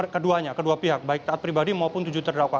keduanya kedua pihak baik taat pribadi maupun tujuh terdakwa